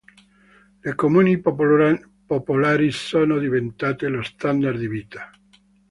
Le comuni popolari sono diventate lo standard di vita.